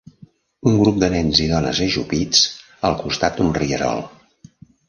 Un grup de nens i dones ajupits al costat d'un rierol.